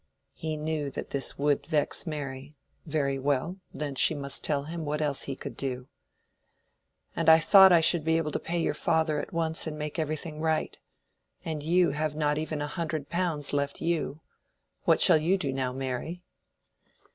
(He knew that this would vex Mary: very well; then she must tell him what else he could do.) "And I thought I should be able to pay your father at once and make everything right. And you have not even a hundred pounds left you. What shall you do now, Mary?"